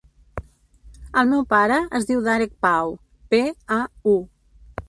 El meu pare es diu Darek Pau: pe, a, u.